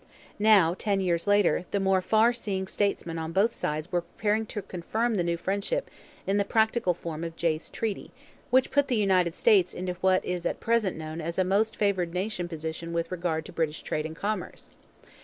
Now, ten years later, the more far seeing statesmen on both sides were preparing to confirm the new friendship in the practical form of Jay's Treaty, which put the United States into what is at present known as a most favoured nation position with regard to British trade and commerce.